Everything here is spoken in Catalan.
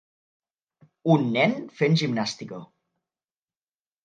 Un nen fent gimnàstica